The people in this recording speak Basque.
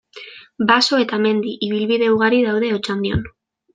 Baso eta mendi ibilbide ugari daude Otxandion.